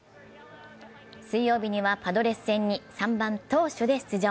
水曜日にはパドレス戦に３番・投手で出場。